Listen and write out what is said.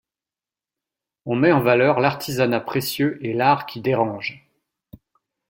On met en valeur l’artisanat précieux et l’art qui dérange.